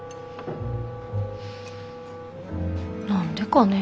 何でかね？